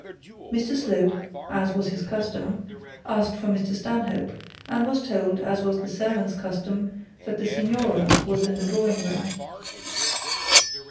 Mr Slope, as was his custom, asked for Mr Stanhope, and was told, as was the servant's custom, that the signora was in the drawing room.